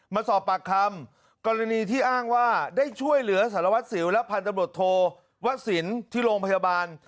มาสอบปากคำกรณีที่อ้างว่าได้ช่วยเหลือสารวัตรสิวและพันธบรวจโทวสินที่โรงพยาบาล